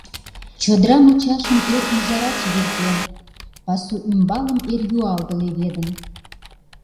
Чодыра мучашым эр ӱжара чевертен, пасу ӱмбалым эр юалге леведын.